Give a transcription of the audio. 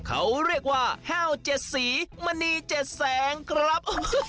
เขาเรียกว่าแห้ว๗สีมณี๗แสงครับ